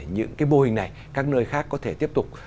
những cái mô hình này các nơi khác có thể tiếp tục